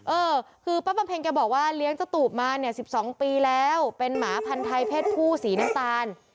เออคือป้าบำเพ็ญแกบอกว่าเลี้ยงเจ้าตูบมาเนี่ย๑๒ปีแล้วเป็นหมาพันธัยเพศผู้สีน้ำตาล